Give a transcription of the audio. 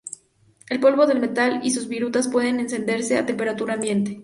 El polvo del metal y sus virutas pueden encenderse a temperatura ambiente.